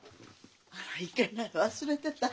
あらいけない忘れてた。